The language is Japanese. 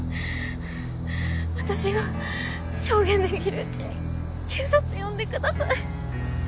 私が証言できるうちに警察呼んでください。